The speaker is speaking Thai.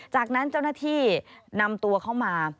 จากนั้นเจ้าหน้าที่นำตัวเข้ามา